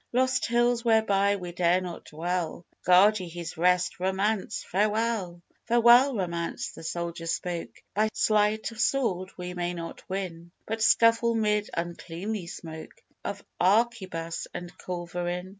Lost hills whereby we dare not dwell, Guard ye his rest. Romance, farewell!" "Farewell, Romance!" the Soldier spoke; "By sleight of sword we may not win, But scuffle 'mid uncleanly smoke Of arquebus and culverin.